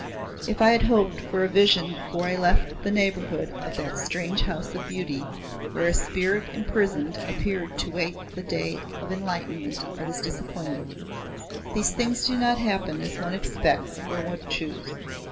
If I had hoped for a vision before I left the neighbourhood of that strange House of Beauty where a spirit imprisoned appeared to await the day of enlightenment I was disappointed. These things do not happen as one expects or would choose.